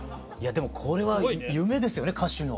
でもこれは夢ですよね歌手の。